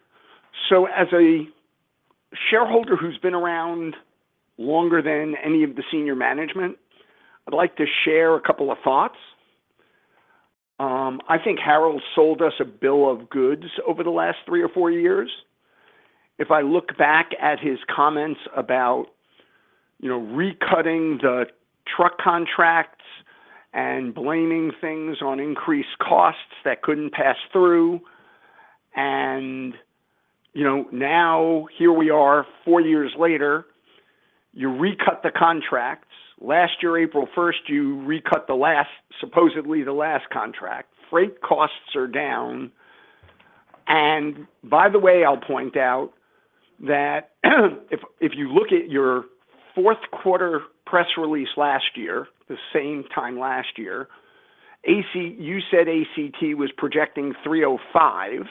Speaker 5: So as a shareholder who's been around longer than any of the senior management, I'd like to share a couple of thoughts. I think Harold sold us a bill of goods over the last three or four years. If I look back at his comments about, you know, recutting the truck contracts and blaming things on increased costs that couldn't pass through, and, you know, now here we are, four years later, you recut the contracts. Last year, April first, you recut the last, supposedly the last contract. Freight costs are down, and by the way, I'll point out that if you look at your fourth quarter press release last year, the same time last year, ACT—you said ACT was projecting 305,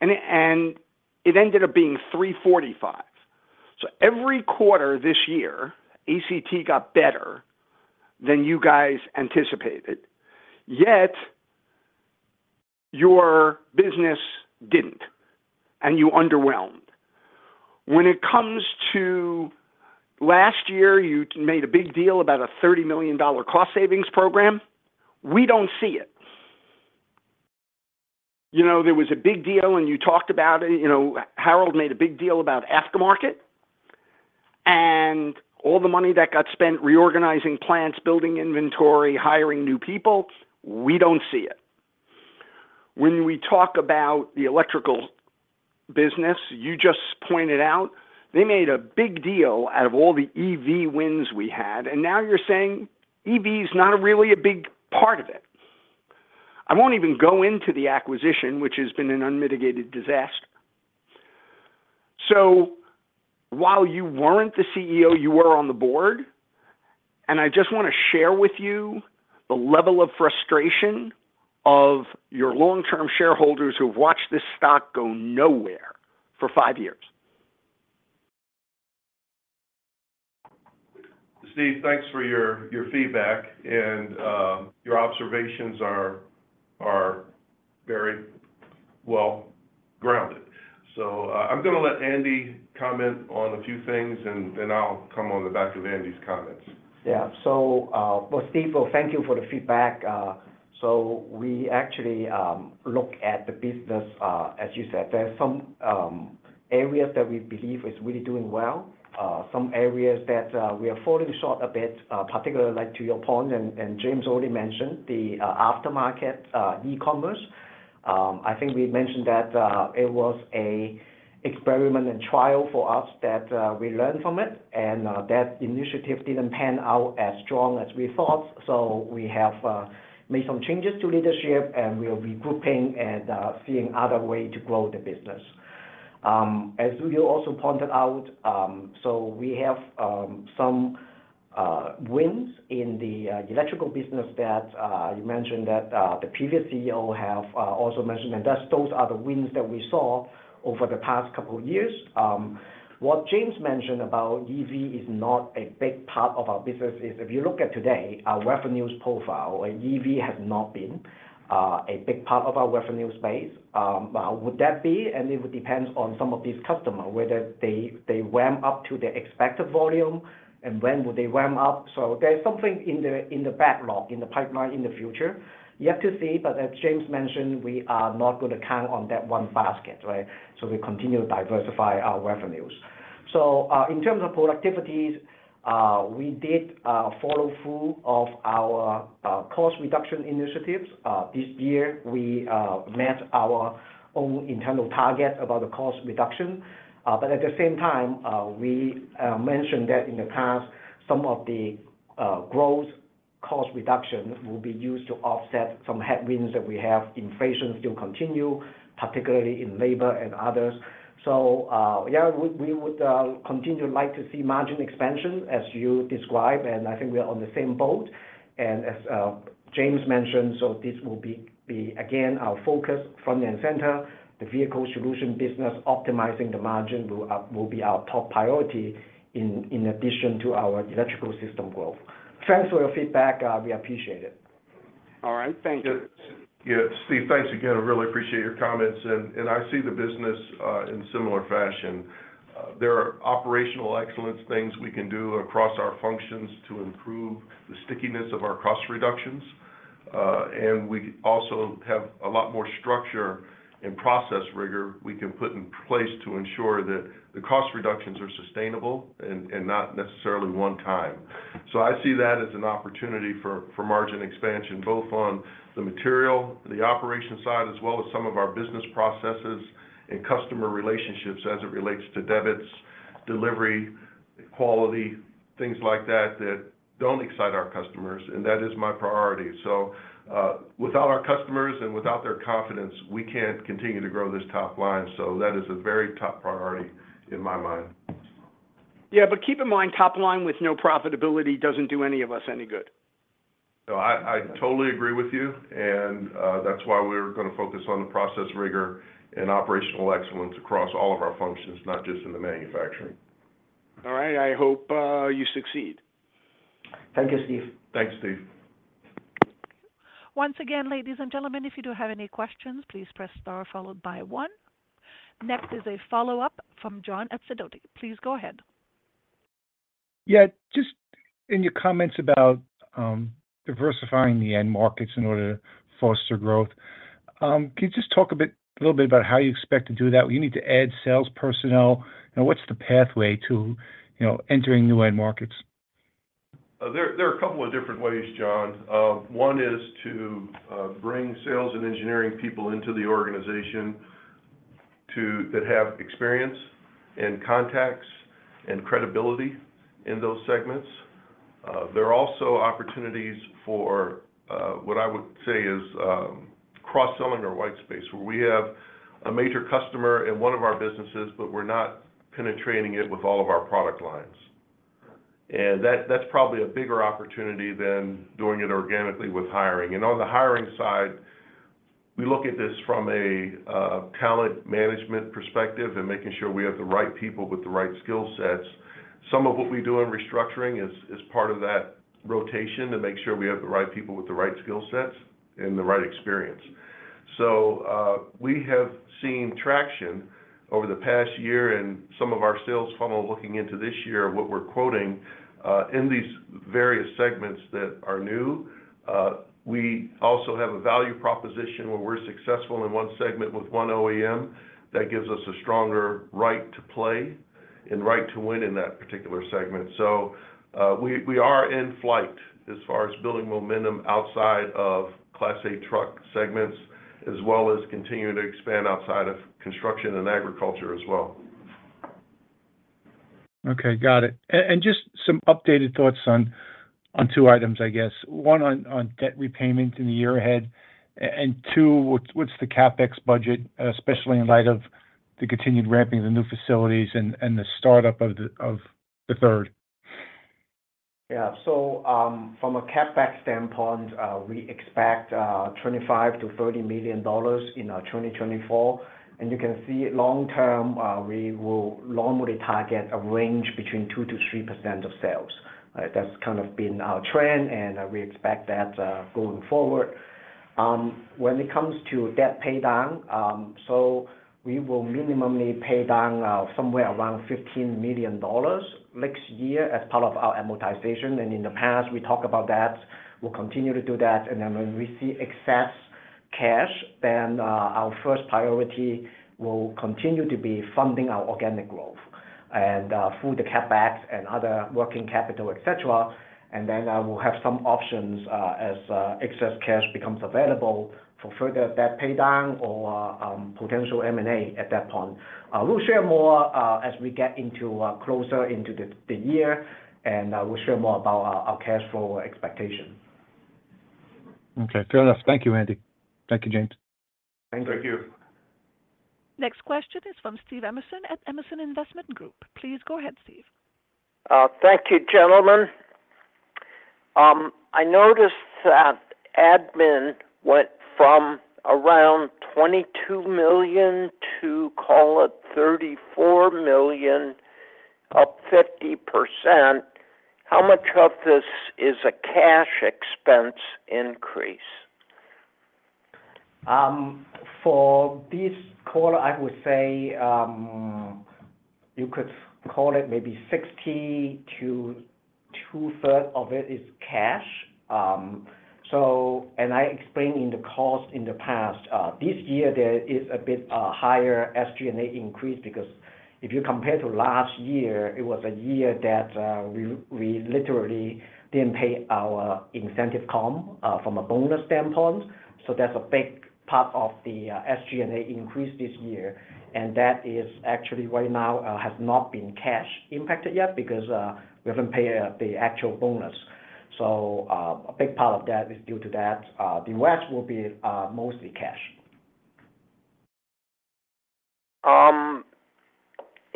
Speaker 5: and it ended up being 345. So every quarter this year, ACT got better than you guys anticipated, yet your business didn't, and you underwhelmed. When it comes to last year, you made a big deal about a $30 million cost savings program. We don't see it. You know, there was a big deal, and you talked about it. You know, Harold made a big deal about aftermarket, and all the money that got spent reorganizing plants, building inventory, hiring new people, we don't see it. When we talk about the electrical business, you just pointed out they made a big deal out of all the EV wins we had, and now you're saying EV is not really a big part of it. I won't even go into the acquisition, which has been an unmitigated disaster. So while you weren't the CEO, you were on the board, and I just want to share with you the level of frustration of your long-term shareholders who have watched this stock go nowhere for five years.
Speaker 3: Steve, thanks for your feedback, and your observations are very well grounded. So, I'm gonna let Andy comment on a few things, and then I'll come on the back of Andy's comments.
Speaker 2: Yeah. So, well, Steve, well, thank you for the feedback. So we actually look at the business, as you said, there are some areas that we believe is really doing well, some areas that we are falling short a bit, particularly, like to your point, and James already mentioned, the aftermarket e-commerce. I think we mentioned that it was a experiment and trial for us that we learned from it, and that initiative didn't pan out as strong as we thought. So we have made some changes to leadership, and we are regrouping and seeing other way to grow the business. As you also pointed out, so we have some wins in the electrical business that you mentioned that the previous CEO have also mentioned, and that's those are the wins that we saw over the past couple of years. What James mentioned about EV is not a big part of our business. If you look at today, our revenues profile, EV has not been a big part of our revenue space. Would that be? And it would depends on some of these customer whether they ramp up to the expected volume and when would they ramp up. So there's something in the backlog, in the pipeline, in the future, yet to see, but as James mentioned, we are not going to count on that one basket, right? So we continue to diversify our revenues. So, in terms of productivities, we did follow through of our cost reduction initiatives. This year, we met our own internal target about the cost reduction, but at the same time, we mentioned that in the past, some of the growth cost reduction will be used to offset some headwinds that we have. Inflation still continue, particularly in labor and others. So, yeah, we would continue like to see margin expansion, as you described, and I think we are on the same boat... And as James mentioned, so this will be again our focus front and center, the Vehicle Solutions business, optimizing the margin will be our top priority in addition to our Electrical Systems growth. Thanks for your feedback, we appreciate it.
Speaker 5: All right, thank you.
Speaker 3: Yeah, Steve, thanks again. I really appreciate your comments, and I see the business in similar fashion. There are operational excellence things we can do across our functions to improve the stickiness of our cost reductions. And we also have a lot more structure and process rigor we can put in place to ensure that the cost reductions are sustainable and not necessarily one time. So I see that as an opportunity for margin expansion, both on the material, the operation side, as well as some of our business processes and customer relationships as it relates to debits, delivery, quality, things like that, that don't excite our customers, and that is my priority. So, without our customers and without their confidence, we can't continue to grow this top line. So that is a very top priority in my mind.
Speaker 5: Yeah, but keep in mind, top line with no profitability doesn't do any of us any good.
Speaker 3: No, I, I totally agree with you, and that's why we're gonna focus on the process rigor and operational excellence across all of our functions, not just in the manufacturing.
Speaker 5: All right. I hope you succeed.
Speaker 2: Thank you, Steve.
Speaker 3: Thanks, Steve.
Speaker 1: Once again, ladies and gentlemen, if you do have any questions, please press Star followed by one. Next is a follow-up from John at Sidoti. Please go ahead.
Speaker 6: Yeah, just in your comments about diversifying the end markets in order to foster growth, can you just talk a little bit about how you expect to do that? Do you need to add sales personnel? And what's the pathway to, you know, entering new end markets?
Speaker 3: There are a couple of different ways, John. One is to bring sales and engineering people into the organization that have experience and contacts and credibility in those segments. There are also opportunities for what I would say is cross-selling or white space, where we have a major customer in one of our businesses, but we're not penetrating it with all of our product lines. And that, that's probably a bigger opportunity than doing it organically with hiring. And on the hiring side, we look at this from a talent management perspective and making sure we have the right people with the right skill sets. Some of what we do in restructuring is part of that rotation to make sure we have the right people with the right skill sets and the right experience. So, we have seen traction over the past year in some of our sales funnel looking into this year, what we're quoting, in these various segments that are new. We also have a value proposition where we're successful in one segment with one OEM that gives us a stronger right to play and right to win in that particular segment. So, we, we are in flight as far as building momentum outside of Class 8 truck segments, as well as continuing to expand outside of construction and agriculture as well.
Speaker 6: Okay, got it. And just some updated thoughts on two items, I guess. One, on debt repayment in the year ahead, and two, what's the CapEx budget, especially in light of the continued ramping of the new facilities and the startup of the third?
Speaker 2: Yeah. So, from a CapEx standpoint, we expect $25 million-$30 million in 2024. And you can see long term, we will normally target a range between 2%-3% of sales. That's kind of been our trend, and we expect that going forward. When it comes to debt pay down, so we will minimally pay down somewhere around $15 million next year as part of our amortization. And in the past, we talked about that. We'll continue to do that, and then when we see excess cash, then our first priority will continue to be funding our organic growth and through the CapEx and other working capital, et cetera. Then, we'll have some options as excess cash becomes available for further debt pay down or potential M&A at that point. We'll share more as we get into closer into the year, and we'll share more about our cash flow expectation.
Speaker 6: Okay, fair enough. Thank you, Andy. Thank you, James.
Speaker 3: Thank you.
Speaker 1: Next question is from Steve Emerson at Emerson Investment Group. Please go ahead, Steve.
Speaker 9: Thank you, gentlemen. I noticed that admin went from around $22 million to, call it, $34 million, up 50%. How much of this is a cash expense increase?
Speaker 2: For this call, I would say you could call it maybe 60 to two-thirds of it is cash. And I explained in the cost in the past, this year there is a bit higher SG&A increase because if you compare to last year, it was a year that we literally didn't pay our incentive comp from a bonus standpoint. So that's a big part of the SG&A increase this year, and that is actually right now has not been cash impacted yet because we haven't paid the actual bonus. So a big part of that is due to that. The rest will be mostly cash....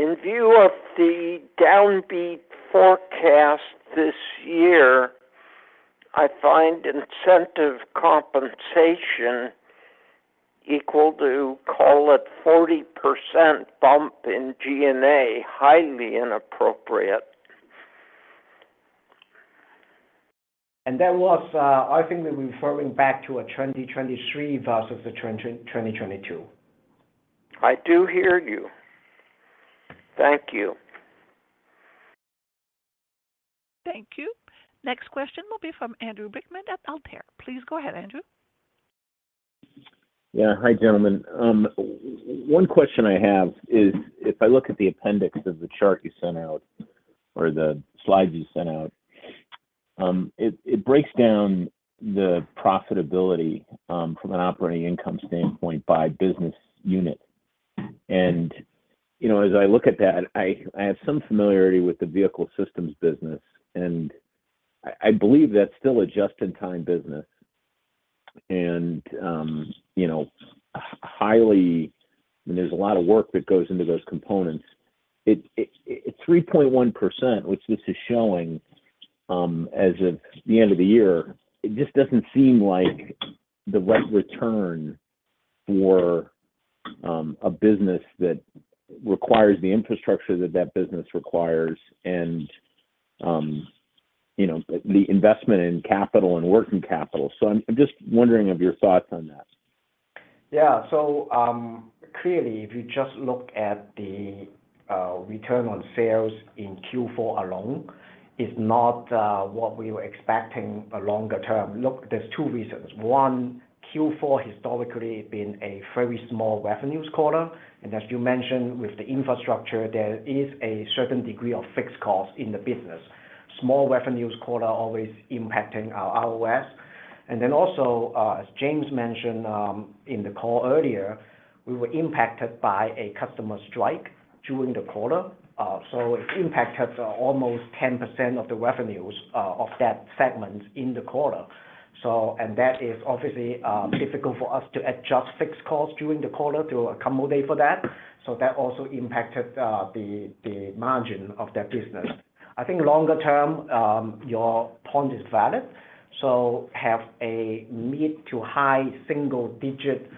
Speaker 9: In view of the downbeat forecast this year, I find incentive compensation equal to, call it, 40% bump in SG&A, highly inappropriate.
Speaker 2: That was, I think we're referring back to a 2023 versus the 2022.
Speaker 9: I do hear you. Thank you.
Speaker 1: Thank you. Next question will be from Andrew Brickman at Altair. Please go ahead, Andrew.
Speaker 10: Yeah. Hi, gentlemen. One question I have is, if I look at the appendix of the chart you sent out or the slides you sent out, it breaks down the profitability from an operating income standpoint by business unit. And, you know, as I look at that, I have some familiarity with the Vehicle Solutions business, and I believe that's still a just-In-time business. And, you know, and there's a lot of work that goes into those components. It's 3.1%, which this is showing as of the end of the year. It just doesn't seem like the right return for a business that requires the infrastructure that that business requires and, you know, the investment in capital and working capital. So I'm just wondering of your thoughts on that.
Speaker 2: Yeah. So, clearly, if you just look at the return on sales in Q4 alone, it's not what we were expecting a longer term. Look, there's two reasons. One, Q4 historically been a very small revenues quarter, and as you mentioned, with the infrastructure, there is a certain degree of fixed costs in the business. Small revenues quarter always impacting our ROS. And then also, as James mentioned in the call earlier, we were impacted by a customer strike during the quarter. So it impacted almost 10% of the revenues of that segment in the quarter. So and that is obviously difficult for us to adjust fixed costs during the quarter to accommodate for that. So that also impacted the margin of that business. I think longer term, your point is valid. So have a mid- to high-single-digit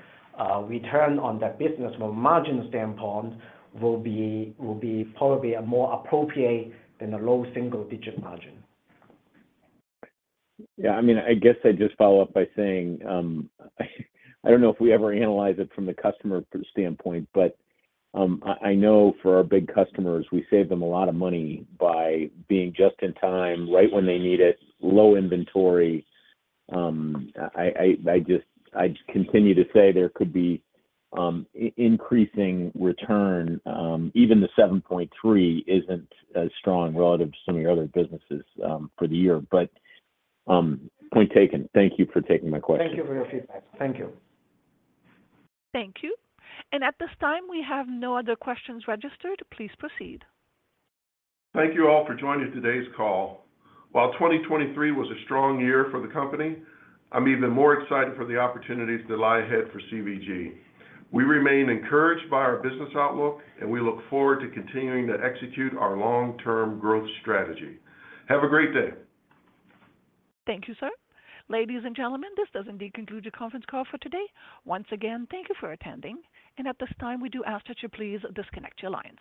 Speaker 2: return on that business from a margin standpoint will be, will be probably a more appropriate than a low-single-digit margin.
Speaker 10: Yeah, I mean, I guess I'd just follow up by saying, I don't know if we ever analyze it from the customer standpoint, but, I, I know for our big customers, we save them a lot of money by being just in time, right when they need it, low inventory. I, I, I just, I continue to say there could be, increasing return, even the 7.3 isn't as strong relative to some of your other businesses, for the year. But, point taken. Thank you for taking my question.
Speaker 2: Thank you for your feedback. Thank you.
Speaker 1: Thank you. At this time, we have no other questions registered. Please proceed.
Speaker 3: Thank you all for joining today's call. While 2023 was a strong year for the company, I'm even more excited for the opportunities that lie ahead for CVG. We remain encouraged by our business outlook, and we look forward to continuing to execute our long-term growth strategy. Have a great day!
Speaker 1: Thank you, sir. Ladies and gentlemen, this does indeed conclude the conference call for today. Once again, thank you for attending, and at this time, we do ask that you please disconnect your line.